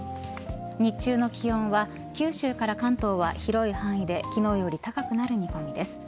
日中の気温は九州から関東は広い範囲で昨日より高くなる見込みです。